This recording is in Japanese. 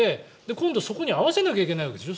今度、そこに合わせないといけないわけでしょ。